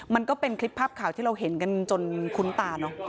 มันก็เป็นคลิปภาปข่าวที่เราเห็นจนคุ้นตา